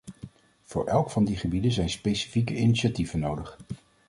Voor elk van die gebieden zijn specifieke initiatieven nodig.